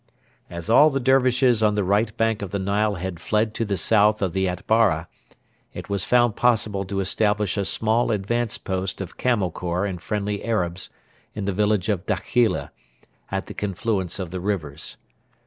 As all the Dervishes on the right bank of the Nile had fled to the south of the Atbara, it was found possible to establish a small advanced post of Camel Corps and friendly Arabs in the village of Dakhila, at the confluence of the rivers.